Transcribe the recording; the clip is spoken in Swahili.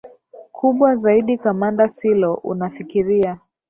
kubwa zaidi kamanda silo unafikiria